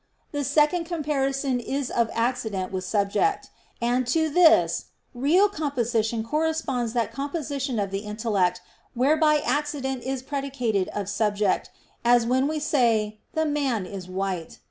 The second comparison is of accident with subject: and to this real composition corresponds that composition of the intellect, whereby accident is predicated of subject, as when we say "the man is white."